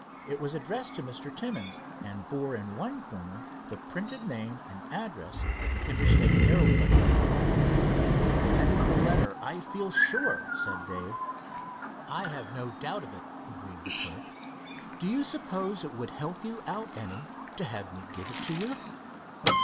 It was addressed to Mr. Timmins, and bore in one corner the printed name and address of the Interstate Aeroplane Co. "That is the letter, I feel sure," said Dave. "I have no doubt of it," agreed the clerk. "Do you suppose it would help you out any to have me give it to you?"